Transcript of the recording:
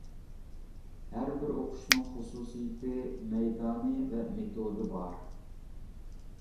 ھەر بىر ئوقۇشنىڭ خۇسۇسىيىتى، مەيدانى ۋە مېتودى بار.